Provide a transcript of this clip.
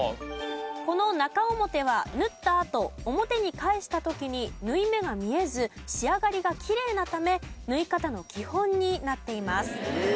この中表は縫ったあと表に返した時に縫い目が見えず仕上がりがきれいなため縫い方の基本になっています。